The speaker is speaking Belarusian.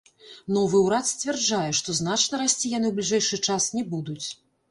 Новы урад сцвярджае, што значна расці яны ў бліжэйшы час не будуць.